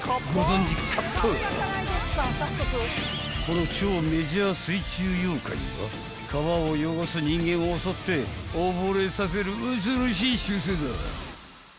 ［この超メジャー水中妖怪は川を汚す人間を襲って溺れさせる恐ろしい習性だ！］